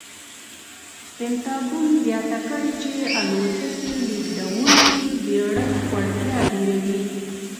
پنټاګون زیاته کړې چې الوتکې لېږدونکې بېړۍ وړتیا ډېروي.